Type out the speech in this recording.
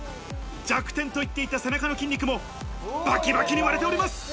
弱点と言っていた背中の筋肉も、バキバキに割れております。